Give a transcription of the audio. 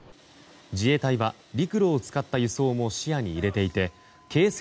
自衛隊は陸路を使った輸送も視野に入れていて軽装